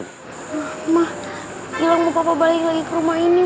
ma ilang mau bapak balik lagi ke rumah ini